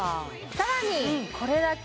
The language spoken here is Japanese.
さらにこれだけ